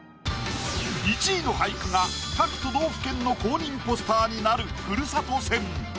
１位の俳句が各都道府県の公認ポスターになるふるさと戦。